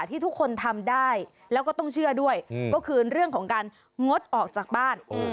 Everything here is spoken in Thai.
ที่ทุกคนทำได้แล้วก็ต้องเชื่อด้วยก็คือเรื่องของการงดออกจากบ้าน